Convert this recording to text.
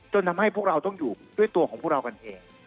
ทำให้พวกเราต้องอยู่ด้วยตัวของพวกเรากันเอง